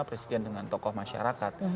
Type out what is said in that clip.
presiden dengan tokoh masyarakat